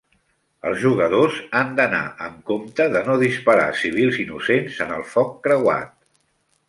Els jugadors han d'anar amb compte de no disparar a civils innocents en el foc creuat.